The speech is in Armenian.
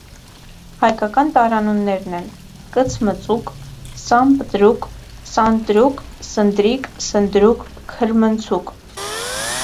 Հայկական տարանուններն են՝ կցմծուկ, սամնտրուկ, սանտրուկ, սնդրիկ, սնդրուկ, քրմնցուկ։